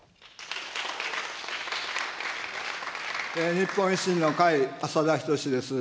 日本維新の会、浅田均です。